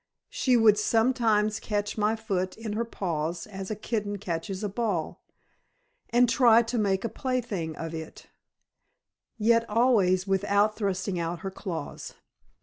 She would sometimes catch my foot in her paws as a kitten catches a ball, and try to make a plaything of it, yet always without thrusting out her claws.